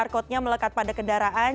oke jadi qr code nya melekat pada kendaraan